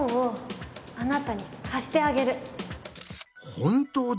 本当だ！